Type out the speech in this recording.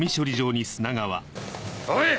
おい！